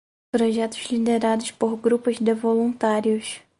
Projetos liderados por grupos de voluntários.